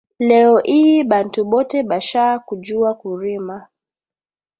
Leo iyi bantu bote basha kujuwa kurima